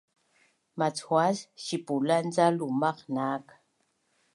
machuas sipulan ca lumaq naak